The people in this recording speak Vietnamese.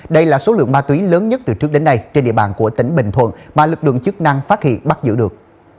đây là số lượng ma túy lớn nhất từ trước đến nay trên địa bàn của tỉnh bình thuận mà lực lượng chức năng phát hiện bắt giữ được